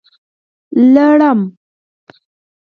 لړم